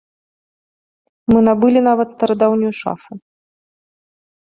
Мы набылі, нават, старадаўнюю шафу.